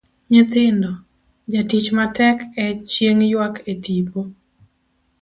Nyithindo, jatich matek e chieng' ywak e tipo.